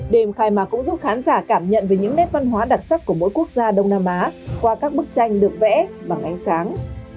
đêm khai mạc cũng giúp khán giả cảm nhận về những nét văn hóa đặc sắc của mỗi quốc gia đông nam á qua các bức tranh được vẽ bằng ánh sáng